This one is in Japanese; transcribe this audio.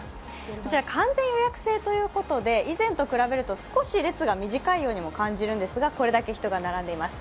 こちら完全予約制ということで以前と比べると少し列が短いようにも感じるんですがこれだけ人が並んでいます。